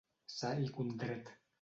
Sa i condret.